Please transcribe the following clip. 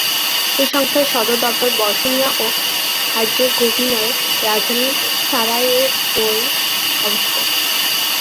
এই সংস্থার সদর দপ্তর বসনিয়া ও হার্জেগোভিনার রাজধানী সারায়েভোয় অবস্থিত।